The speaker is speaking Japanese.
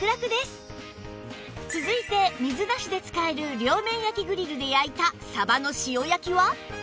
続いて水なしで使える両面焼きグリルで焼いたサバの塩焼きは？